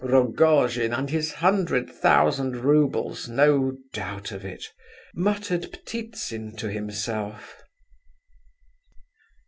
"Rogojin and his hundred thousand roubles, no doubt of it," muttered Ptitsin to himself.